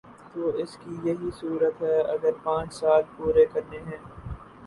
تو اس کی یہی صورت ہے اگر پانچ سال پورے کرنے ہیں۔